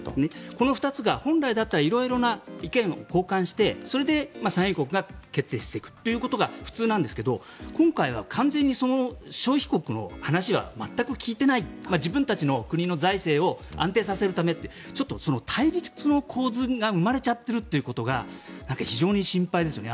この２つが本来だったら色々な意見を交換してそれで産油国が決定していくということが普通なんですけど今回は完全にその消費国の話は全く聞いていない自分たちの国の財政を安定させるためって対立の構図が生まれちゃっているということが非常に心配ですよね。